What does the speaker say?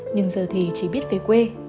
nhưng giờ thì chỉ biết về quê